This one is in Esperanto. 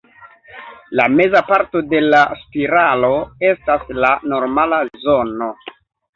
La meza parto de la spiralo estas la normala zono.